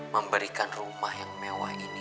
memberikan rumah yang mewah ini